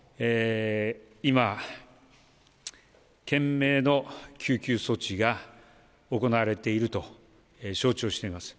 今、懸命の救急措置が行われていると承知をしています。